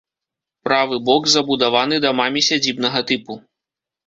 Правы бок забудаваны дамамі сядзібнага тыпу.